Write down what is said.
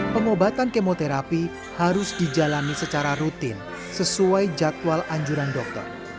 pengobatan kemoterapi harus dijalani secara rutin sesuai jadwal anjuran dokter